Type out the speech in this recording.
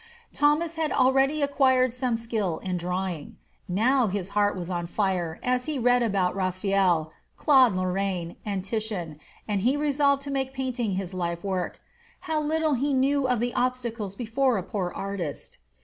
Thomas had already acquired some skill in drawing. Now his heart was on fire as he read about Raphael, Claude Lorraine, and Titian, and he resolved to make painting his life work. How little he knew of the obstacles before a poor artist!